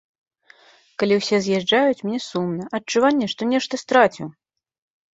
Калі ўсе з'язджаюць мне сумна, адчуванне, што нешта страціў!